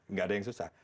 nggak ada yang susah